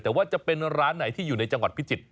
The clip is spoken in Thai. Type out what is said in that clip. แต่ว่าจะเป็นร้านไหนที่อยู่ในจังหวัดพิจิตร